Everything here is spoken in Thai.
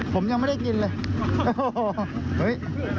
ผมยังไม่ได้กินเลย